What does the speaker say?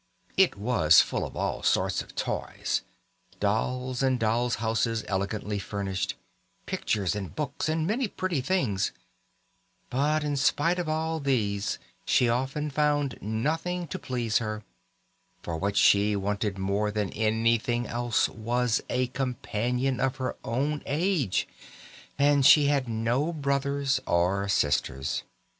It was full of all sorts of toys dolls, and dolls' houses elegantly furnished, pictures and books and many pretty things; but in spite of all these she often found nothing to please her, for what she wanted more than anything else was a companion of her own age, and she had no brothers or sisters.